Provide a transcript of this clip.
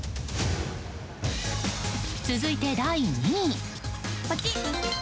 続いて第２位。